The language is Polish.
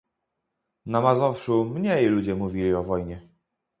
"Na Mazowszu mniej ludzie mówili o wojnie."